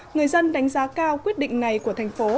người dân đánh giá cao quyết định này của thành phố